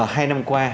hai năm qua